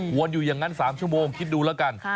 วนอยู่อย่างนั้น๓ชั่วโมงคิดดูแล้วกัน